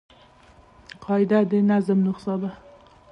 قاعده د نظم نخښه ده.